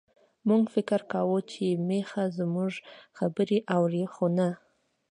موږ فکر کاوه چې میښه زموږ خبرې اوري، خو نه.